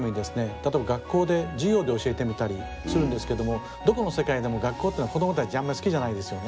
例えば学校で授業で教えてみたりするんですけどもどこの世界でも学校っていうのは子どもたちあんまり好きじゃないですよね。